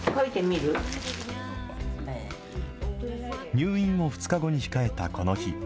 入院を２日後に控えたこの日。